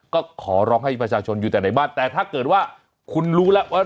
ก็ขอร้องให้ประชาชนอยู่แต่ในบ้านแต่ถ้าเกิดว่าคุณรู้แล้วว่า